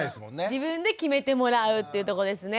自分で決めてもらうっていうとこですね。